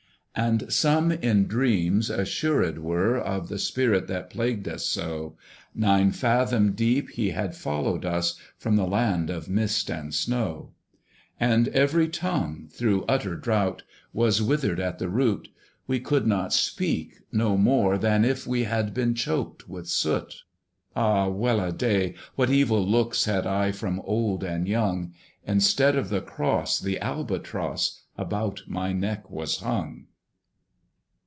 And some in dreams assured were Of the spirit that plagued us so: Nine fathom deep he had followed us From the land of mist and snow. And every tongue, through utter drought, Was withered at the root; We could not speak, no more than if We had been choked with soot. Ah! well a day! what evil looks Had I from old and young! Instead of the cross, the Albatross About my neck was hung.